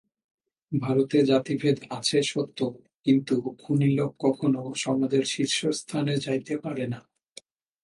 ভারতে জাতিভেদ আছে সত্য, কিন্তু খুনী লোক কখনও সমাজের শীর্ষস্থানে যাইতে পারে না।